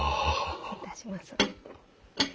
失礼いたします。